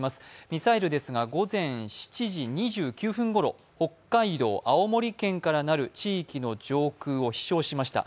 ミサイルですが、午前７時２９分ごろ、北海道、青森県からなる地域の上空を飛翔しました。